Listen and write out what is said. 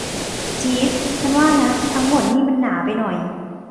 จี๊ฟ ฉันว่านะ ทั้งหมดนี้มันหนาไปหน่อย